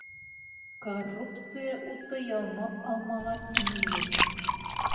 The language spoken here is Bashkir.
Коррупция уты ялмап алмаған ил юҡ.